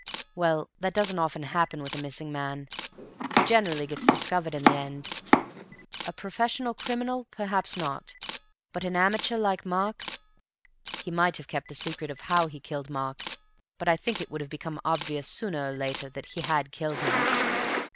Well, that doesn't often happen with a missing man. He generally gets discovered in the end; a professional criminal; perhaps not—but an amateur like Mark! He might have kept the secret of how he killed Mark, but I think it would have become obvious sooner or later that he had killed him."